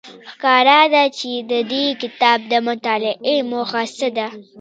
ښکاره ده چې د دې کتاب د مطالعې موخه څه ده.